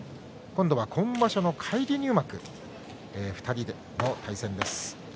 今場所の返り入幕の２人の対戦です。